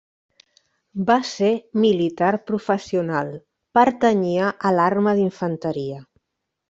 Va ser militar professional, pertanyia a l'arma d'infanteria.